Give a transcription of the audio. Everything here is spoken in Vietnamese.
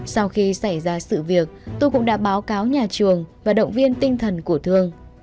sau khi xảy ra sự việc tôi cũng đã báo cáo nhà trường và động viên tinh thần của thương